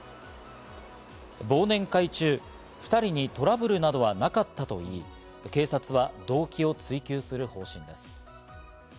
忘年会中、２人にトラブルなどはなかったといい、警察は動機を追及する方針です。